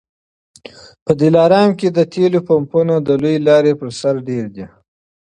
په دلارام کي د تېلو پمپونه د لويې لارې پر سر ډېر دي